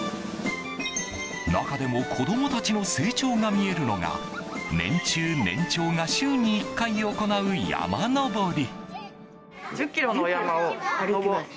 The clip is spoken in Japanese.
中でも子供たちの成長が見えるのが年中・年長が週に１回行う山登り。